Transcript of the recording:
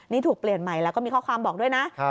นี่ถูกเปลี่ยนใหม่แล้วก็มีข้อความบอกด้วยนะ